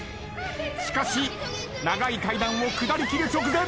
しかし長い階段を下りきる直前。